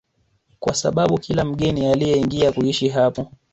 kwa sababu kila mgeni alieingia kuishi hapo